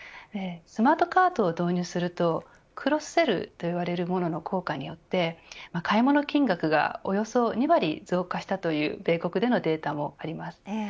スマートカートを導入するとクロスセルといわれるものの効果により買い物金額がおよそ２割増加したという米国でのデータもあります。